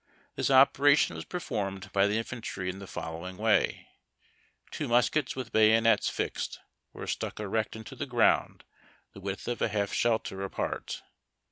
This operation was performed by the infantry in the following simple Avay • two muskets with bayonets fixed were stuck erect into the ground the width of a half shelter apart.